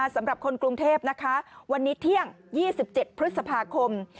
สำหรับคนกรุงเทพนะคะวันนี้เที่ยง๒๗พฤษภาคม